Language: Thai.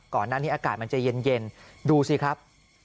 ก่อนนั้นที่อากาศมันจะเย็นดูสิครับ